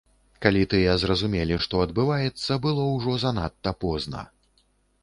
Калі тыя зразумелі, што адбываецца, было ўжо занадта позна.